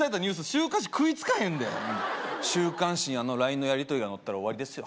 週刊誌食いつかへんで週刊誌にあのＬＩＮＥのやりとりが載ったら終わりですよ